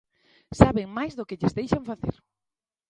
Saben máis do que lles deixan facer.